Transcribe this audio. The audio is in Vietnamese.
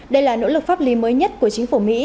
đây là nỗ lực pháp lý mới nhất của chính phủ mỹ